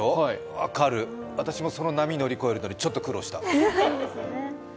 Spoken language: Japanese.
分かる、私もその波を乗り越えるのに苦労した。